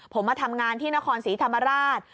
ผมมาทำงานที่นครศรีธรรมราช